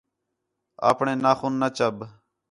آپݨیں ناخن نہ چَب